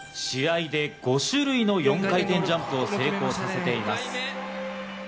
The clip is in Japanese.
試合で５種類の４回転ジャンプを成功させています。